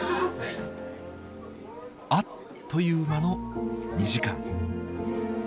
あっという間の２時間。